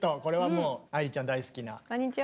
これはもう愛理ちゃん大好きな。